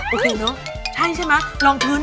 โอเคมึงใช่ใช่ไหมนั่นลองพื้น